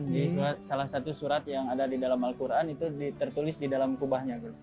jadi salah satu surat yang ada di dalam al quran itu tertulis di dalam kubahnya gitu